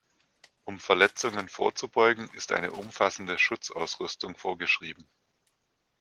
Um Verletzungen vorzubeugen, ist eine umfassende Schutzausrüstung vorgeschrieben.